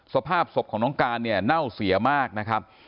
สภาพศพของน้องการเนี่ยเน่าเสียมากนะครับ